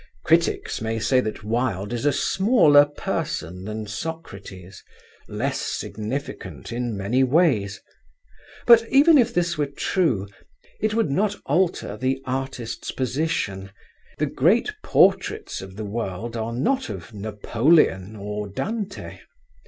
Critics may say that Wilde is a smaller person than Socrates, less significant in many ways: but even if this were true, it would not alter the artist's position; the great portraits of the world are not of Napoleon or Dante.